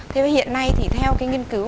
thế với hiện nay thì theo cái nghiên cứu